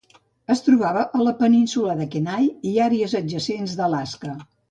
Es trobava a la Península de Kenai i àrees adjacents d'Alaska.